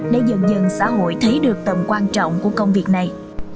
để dần dần xã hội thấy được tầm quan trọng của công việc này